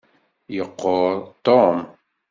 Yeqquṛ Tom.